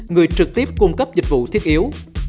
người trực tiếp cung cấp dịch vụ thiết yếu